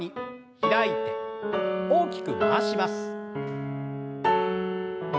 開いて大きく回します。